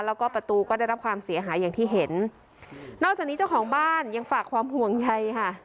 แล้วก็ประตูก็ได้รับความเสียหายอย่างที่เห็นนอกจากนี้เจ้าของบ้านยังฝากความห่วงใยค่ะ